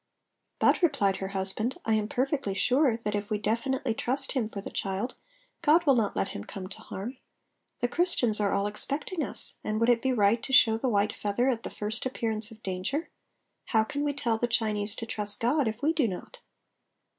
"But," replied her husband, "I am perfectly sure that if we definitely trust Him for the child God will not let him come to harm. The Christians are all expecting us, and would it be right to show the white feather at the first appearance of danger? How can we tell the Chinese to trust God if we do not?"